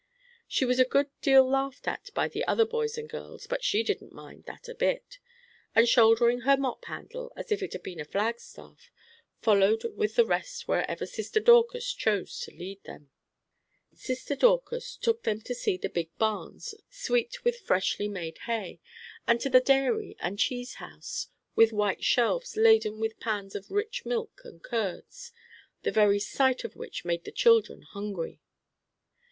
She was a good deal laughed at by the other boys and girls, but she didn't mind that a bit, and shouldering her mop handle as if it had been a flag staff, followed with the rest wherever Sister Dorcas chose to lead them. Sister Dorcas took them to see the big barns, sweet with freshly made hay, and to the dairy and cheese house, with white shelves laden with pans of rich milk and curds, the very sight of which made the children hungry.